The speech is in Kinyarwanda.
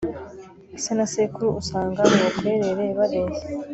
se na sekuru usanga mu bukwerere bareshya